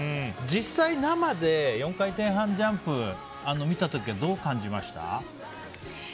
実際、生で４回転半ジャンプ見たときはどう感じました？